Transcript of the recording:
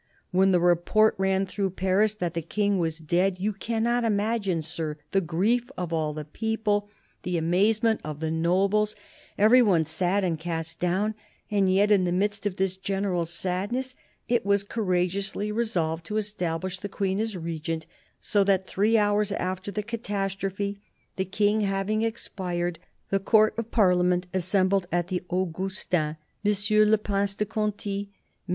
When the report ran through Paris that the King was dead, you cannot imagine, Sir, the grief of all the people, the amazement of the nobles, every one sad and cast down ; and yet, in the midst of this general sadness, it was courageously resolved to establish the Queen as regent, so that, three hours after the catas trophe, the King having expired, the Court of Parliament assembled at the Augustins, M. le Prince de Conti, MM.